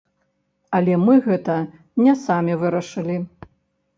Але мы гэта не самі вырашылі.